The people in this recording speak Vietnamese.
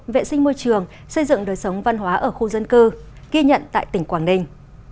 vệ sinh môi trường xây dựng đời sống văn hóa ở khu dân cư ghi nhận tại tỉnh quảng ninh